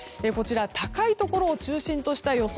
高いところを中心とした予想